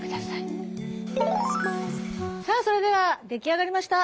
さあそれでは出来上がりました。